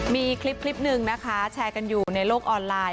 มีคลิปหนึ่งนะคะแชร์กันอยู่ในโลกออนไลน์